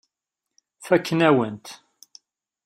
Fakken-awen-t.